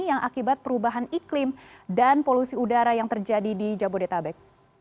yang akibat perubahan iklim dan polusi udara yang terjadi di jabodetabek